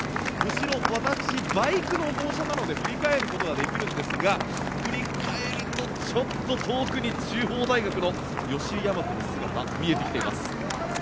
後ろ、バイクなので振り返ることができるんですが振り返るとちょっと遠くに中央大学の吉居大和の姿が見えてきています。